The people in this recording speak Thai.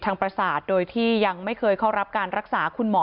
ประสาทโดยที่ยังไม่เคยเข้ารับการรักษาคุณหมอ